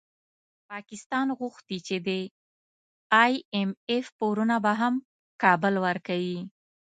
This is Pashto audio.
پاکستان غوښتي چي د ای اېم اېف پورونه به هم کابل ورکوي